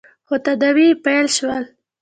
خو تداوې يې پیل شول.